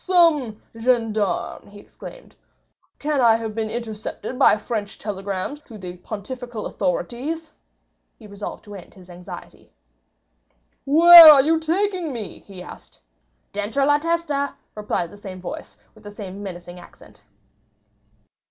"Some gendarme!" he exclaimed. "Can I have been intercepted by French telegrams to the pontifical authorities?" He resolved to end his anxiety. "Where are you taking me?" he asked. "Dentro la testa," replied the same voice, with the same menacing accent.